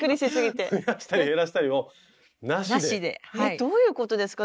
どういうことですか？